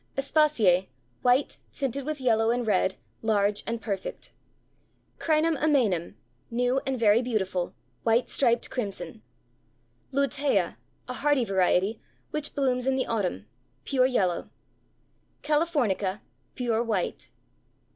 Aspasie, white, tinted with yellow and red; large and perfect. Crinum Amænum, new and very beautiful, white striped crimson. Lutea, a hardy variety, which blooms in the autumn; pure yellow. Calafornica, pure white.